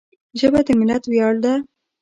ژبه د ملت ویاړ ده